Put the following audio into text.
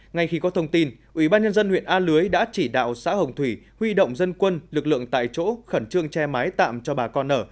ngay khi có thông tin ủy ban nhân dân huyện a lưới đã chỉ đạo xã hồng thủy huy động dân quân lực lượng tại chỗ khẩn trương che mái tạm cho bà con ở